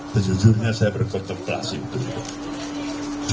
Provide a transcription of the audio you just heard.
sejujurnya saya berkontemplasi untuk itu